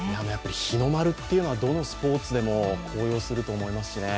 日の丸というのは、どのスポーツでも高揚すると思いますしね。